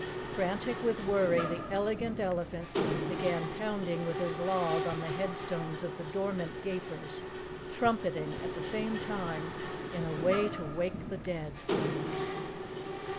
Frantic with worry, the Elegant Elephant began pounding with his log on the headstones of the dormant Gapers, trumpeting at the same time in a way to wake the dead.